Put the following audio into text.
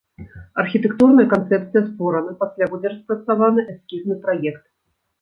Архітэктурная канцэпцыя створана, пасля будзе распрацаваны эскізны праект.